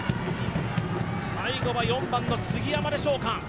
最後は４番の杉山でしょうか。